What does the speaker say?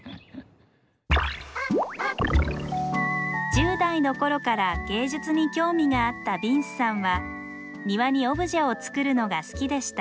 １０代のころから芸術に興味があったビンスさんは庭にオブジェを作るのが好きでした。